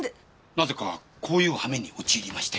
なぜかこういう羽目に陥りまして。